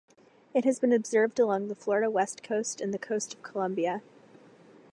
It has been observed along the Florida west coast and the coast of Colombia.